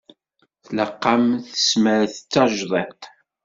Tlaq-am tesmert d tajdidt.